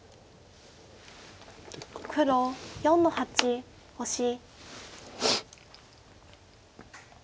黒４の八オシ。